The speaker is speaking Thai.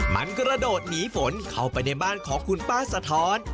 มันกระโดดหนีฝนเข้าไปในบ้านของคุณป้าสะท้อน